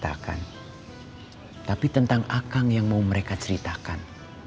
mungkin mereka beritakan tapi tentang akang yang mau mereka ceritakan